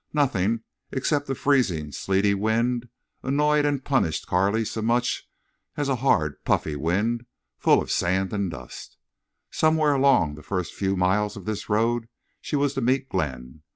Nothing, except a freezing sleety wind, annoyed and punished Carley so much as a hard puffy wind, full of sand and dust. Somewhere along the first few miles of this road she was to meet Glenn.